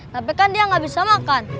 tapi kan dia nggak bisa makan